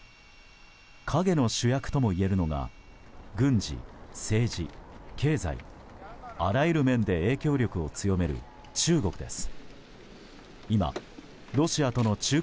陰の主役ともいえるのが軍事、政治、経済、あらゆる面で影響力を強める中国です。